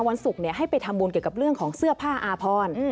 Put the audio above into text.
วันศุกร์ให้ไปทำบุญเกี่ยวกับเรื่องของเสื้อผ้าอาพร